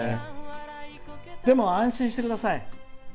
でも、安心してください。